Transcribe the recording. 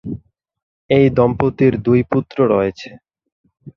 এই দম্পতির দুই পুত্র রয়েছে।